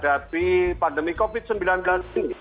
hadapi pandemi covid sembilan belas ini